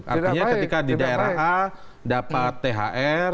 artinya ketika di daerah a dapat thr